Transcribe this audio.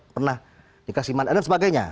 pernah dikasih makna dan sebagainya